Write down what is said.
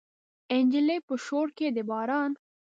نجلۍ په شور کې د باران